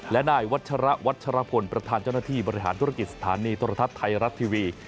และนายวัชระวัชรพลประธานเจ้าหน้าที่บริหารธุรกิจสถานีโทรทัศน์ไทยรัฐทีวี